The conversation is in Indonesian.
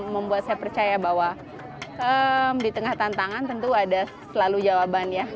membuat saya percaya bahwa di tengah tantangan tentu ada selalu jawaban ya